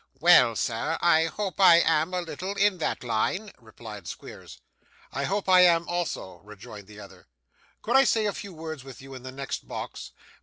'Well, sir, I hope I am a little in that line,' replied Squeers. 'I hope I am also,' rejoined the other. 'Could I say a few words with you in the next box?